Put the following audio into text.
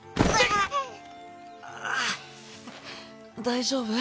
大丈夫？